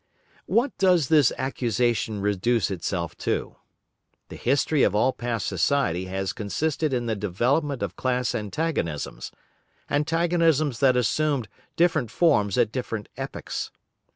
What does this accusation reduce itself to? The history of all past society has consisted in the development of class antagonisms, antagonisms that assumed different forms at different epochs.